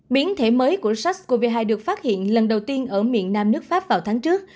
biến thể mới của sars cov hai được phát hiện lần đầu tiên ở miền nam nước pháp vào tháng trước